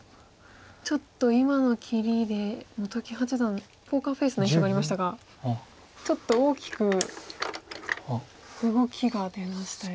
ちょっと今の切りで本木八段ポーカーフェースの印象がありましたがちょっと大きく動きが出ましたよ。